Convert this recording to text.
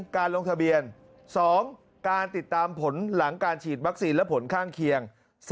การลงทะเบียน๒การติดตามผลหลังการฉีดวัคซีนและผลข้างเคียง